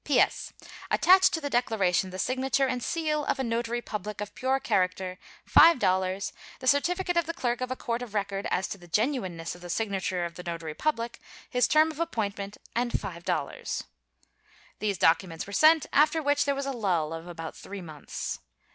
"P.S. Attach to the declaration the signature and seal of a notary public of pure character, $5, the certificate of the clerk of a court of record as to the genuineness of the signature of the notary public, his term of appointment and $5." These documents were sent, after which there was a lull of about three months.